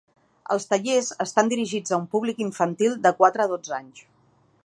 Els tallers estan dirigits a un públic infantil de quatre a dotze anys.